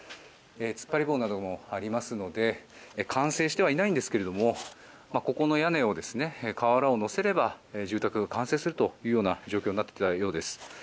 突っ張り棒などもありますので完成してはいないんですけれどもここの屋根に瓦を乗せれば住宅が完成するというような状況になっていたようです。